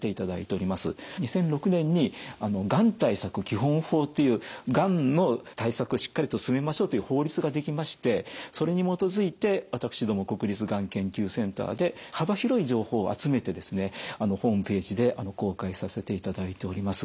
２００６年にがん対策基本法っていうがんの対策をしっかりと進めましょうという法律が出来ましてそれに基づいて私ども国立がん研究センターで幅広い情報を集めてですねホームページで公開させていただいております。